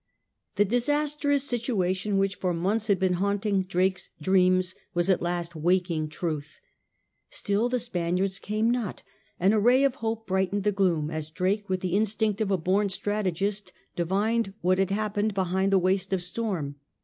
The disastrous situation which for months had been haunting Drake's dreams was at last waking truth. Still the Spaniards came not ; and a ray of hope brightened the gloom as Drake, with the instinct of a bom strategist, divined what had happened behind the waste of storm.